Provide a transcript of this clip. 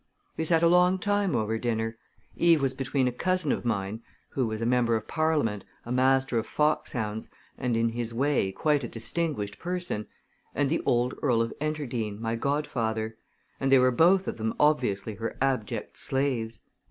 We sat a long time over dinner. Eve was between a cousin of mine who was a member of Parliament, a master of foxhounds, and in his way quite a distinguished person and the old Earl of Enterdean, my godfather; and they were both of them obviously her abject slaves.